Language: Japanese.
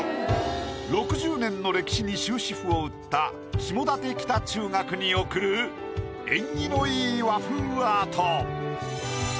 ６０年の歴史に終止符を打った下館北中学に贈る縁起のいい和風アート。